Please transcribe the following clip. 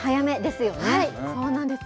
そうなんです。